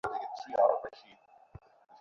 বেলা বাড়ছে, তাঁর খেয়াল নেই।